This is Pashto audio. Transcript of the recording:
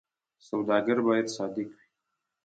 سوداګر باید صادق وي